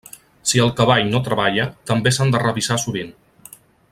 Si el cavall no treballa, també s'han de revisar sovint.